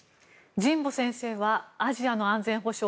神保先生はアジアの安全保障